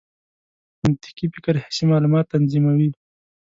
منطقي فکر حسي معلومات تنظیموي.